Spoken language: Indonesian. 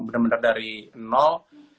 benar benar dari nol